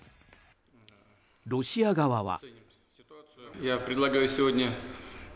ロシア側は。